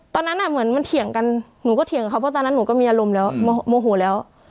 ตอนนั้นเหมือนมันเถียงกันหนูก็เถียงเขาเพราะตอนนั้นหนูก็มีอารมณ์แล้วโมโหแล้ว